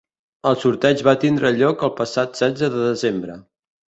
El sorteig va tindre lloc el passat setze de desembre.